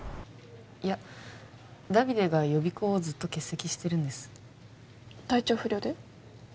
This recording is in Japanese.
いやダビデが予備校をずっと欠席してるんです体調不良で？